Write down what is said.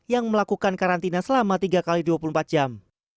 yang melakukan karantina selama tiga x dua puluh empat jam